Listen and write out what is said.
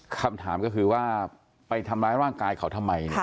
คำถามก็คือว่าไปทำร้ายร่างกายเขาทำไม